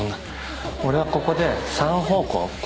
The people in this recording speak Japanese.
俺はここで、３方向。